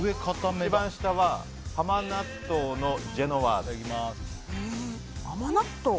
一番下は甘納豆のジェノワーズ。